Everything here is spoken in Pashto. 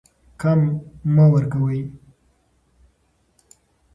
کم مه ورکوئ.